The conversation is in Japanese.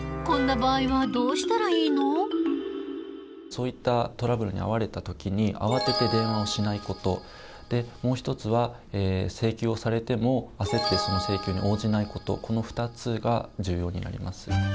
そういったトラブルに遭われた時にあわてて電話をしないこともう一つは請求をされてもあせってその請求に応じないことこの２つが重要になります。